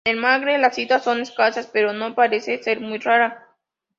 En el Magreb las citas son escasas, pero no parece ser muy rara.